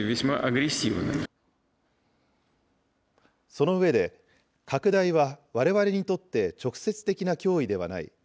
その上で、拡大はわれわれにとって直接的な脅威ではない。